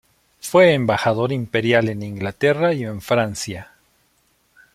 Fue embajador imperial en Inglaterra y en Francia.